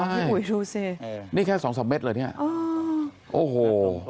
ใช่ดูสินี่แค่สองสามเมตรเลยเนี่ยโอ้โห